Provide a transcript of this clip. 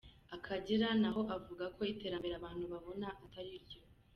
Akagera n’aho avuga ko iterambere abantu babona atari ryo.